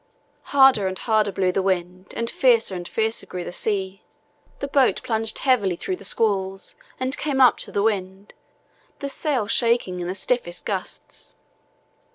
Harder and harder blew the wind and fiercer and fiercer grew the sea. The boat plunged heavily through the squalls and came up to the wind, the sail shaking in the stiffest gusts.